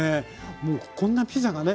もうこんなピザがね